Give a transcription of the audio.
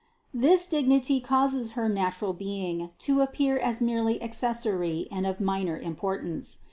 This dignity causes her natural being to appear as mere ly accessory and of minor importance.